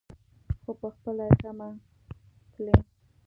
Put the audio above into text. خو پخپله یې کمه تلي.